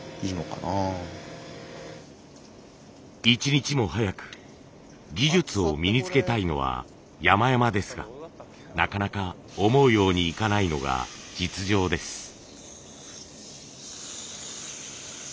一日も早く技術を身につけたいのはやまやまですがなかなか思うようにいかないのが実情です。